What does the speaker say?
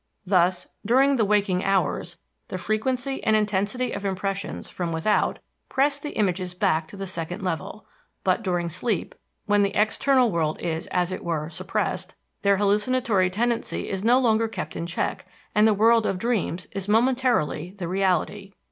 Thus, during the waking hours, the frequency and intensity of impressions from without press the images back to the second level; but during sleep, when the external world is as it were suppressed, their hallucinatory tendency is no longer kept in check, and the world of dreams is momentarily the reality.